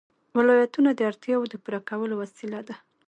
ولایتونه د اړتیاوو د پوره کولو وسیله ده.